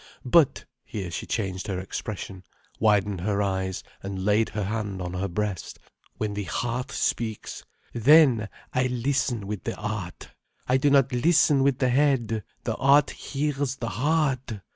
But—" here she changed her expression, widened her eyes, and laid her hand on her breast—"when the heart speaks—then I listen with the heart. I do not listen with the head. The heart hears the heart.